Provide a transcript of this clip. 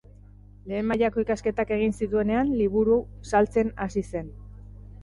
Lehen mailako ikasketak egin zituenean, liburu saltzen hasi zen.